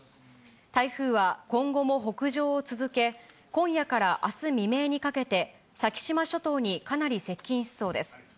台風は今後も北上を続け、今夜からあす未明にかけて、先島諸島にかなり接近しそうです。